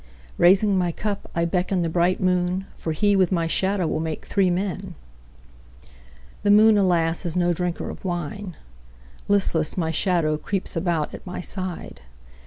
Raising my cup I beckon the bright moon, For he, with my shadow, will make three men. The moon, alas, is no drinker of wine; Listless, my shadow creeps about at my side.